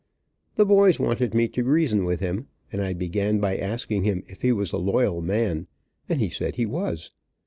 The boys wanted me to reason with him, and I began by asking him if he was a loyal man, and he said he was.